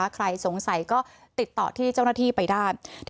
ใครสงสัยก็ติดต่อที่เจ้าหน้าที่ไปได้